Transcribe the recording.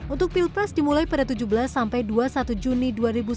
untuk pilpres dimulai pada tujuh belas sampai dua puluh satu juni dua ribu sembilan belas